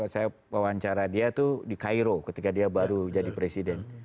saya wawancara dia itu di cairo ketika dia baru jadi presiden